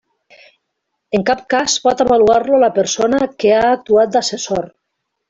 En cap cas pot avaluar-lo la persona que ha actuat d'assessor.